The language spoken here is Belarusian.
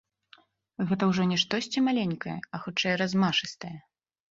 Гэта ўжо не штосьці маленькае, а хутчэй размашыстае.